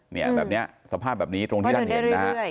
เนี่ยแบบนี้สภาพแบบนี้ตรงที่ท่านเห็นนะฮะ